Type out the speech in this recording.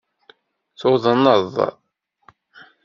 Tuḍneḍ.